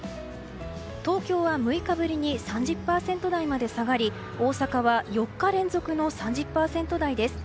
東京は６日ぶりに３０％台まで下がり大阪は４日連続で３０％台です。